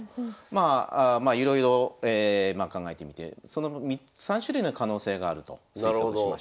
まあいろいろ考えてみて３種類の可能性があると推測しました。